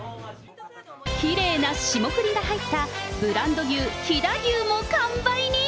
きれいな霜降りが入ったブランド牛、飛騨牛も完売に。